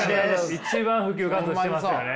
一番普及活動してますよね。